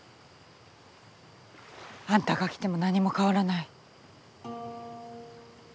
あんたが来ても何も変わらない。